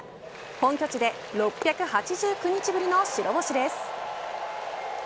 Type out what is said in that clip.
本拠地で６８９日ぶりの白星です。